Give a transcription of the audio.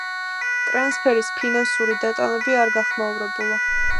ტრანსფერის ფინანსური დეტალები არ გახმაურებულა.